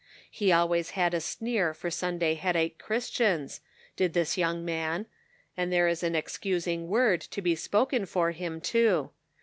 He always had a sneer for Sunday headache Christians, did this young man, and there is an excusing word to be spoken for him, too.